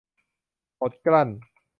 อดกลั้น